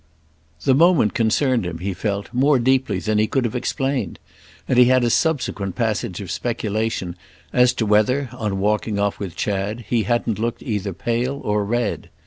The moment concerned him, he felt, more deeply than he could have explained, and he had a subsequent passage of speculation as to whether, on walking off with Chad, he hadn't looked either pale or red.